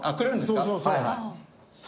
そうそうそう。